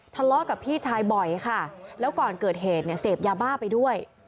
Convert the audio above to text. ทะเลาะกับพี่ชายบ่อยค่ะแล้วก่อนเกิดเหตุเนี่ยเสพยาบ้าไปด้วย